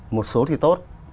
một số thì tốt